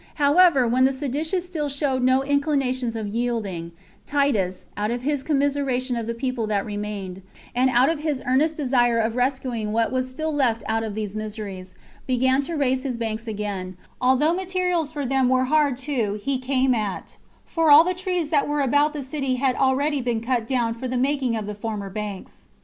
However, when the seditious still showed no inclinations of yielding, Titus, out of his commiseration of the people that remained, and out of his earnest desire of rescuing what was still left out of these miseries, began to raise his banks again, although materials for them were hard to be come at; for all the trees that were about the city had been already cut down for the making of the former banks.